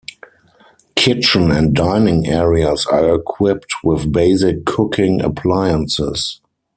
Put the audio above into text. Kitchen and dining areas are equipped with basic cooking appliances.